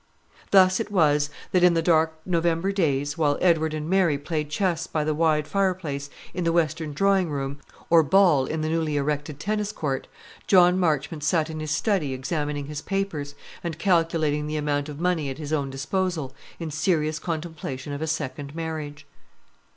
Thus it was that in the dark November days, while Edward and Mary played chess by the wide fireplace in the western drawing room, or ball in the newly erected tennis court, John Marchmont sat in his study examining his papers, and calculating the amount of money at his own disposal, in serious contemplation of a second marriage.